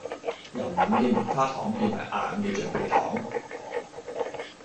由軟嘅棉花糖變為硬嘅橡皮糖